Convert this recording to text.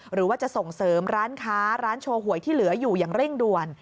หรือว่าจะส่งเสริมร้านค้าร้านโชว์หวยที่เหลืออยู่อย่างเร่งด่วน